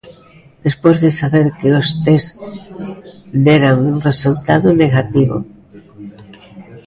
Despois de saber que os tests deran un resultado negativo.